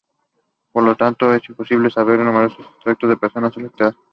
Por lo tanto, es imposible saber el número exacto de personas afectadas.